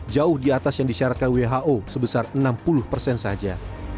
jauh di atas yang disyaratkan who sebesar enam puluh persen saja